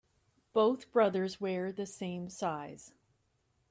Both brothers wear the same size.